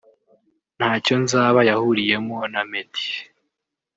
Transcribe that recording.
‘Ntacyo nzaba’ yahuriyemo na Meddy